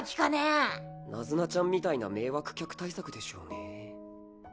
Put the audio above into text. ナズナちゃんみたいな迷惑客対策でしょうねぇ。